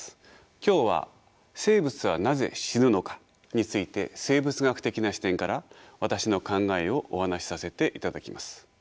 今日は生物はなぜ死ぬのかについて生物学的な視点から私の考えをお話しさせていただきます。